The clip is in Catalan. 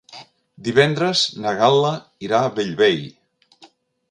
Divendres na Gal·la irà a Bellvei.